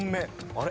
・あれ？